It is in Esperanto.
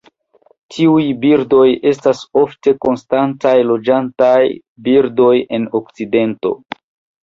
Tiuj birdoj estas ofte konstantaj loĝantaj birdoj en okcidento.